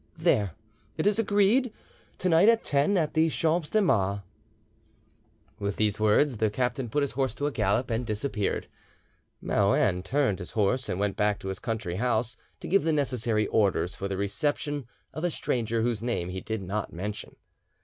There—it is agreed: to night at ten at the Champs de Mars." With these words the captain put his horse to a gallop and disappeared. Marouin turned his horse and went back to his country house to give the necessary orders for the reception of a stranger whose name he did not mention.